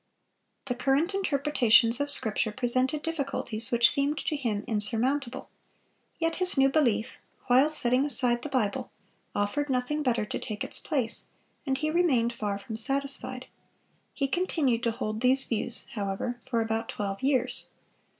The current interpretations of Scripture presented difficulties which seemed to him insurmountable; yet his new belief, while setting aside the Bible, offered nothing better to take its place, and he remained far from satisfied. He continued to hold these views, however, for about twelve years.